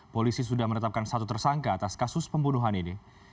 polisi sudah menetapkan satu tersangka atas kasus pembunuhan ini